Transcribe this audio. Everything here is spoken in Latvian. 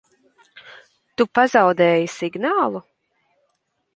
Tu pazaudēji signālu?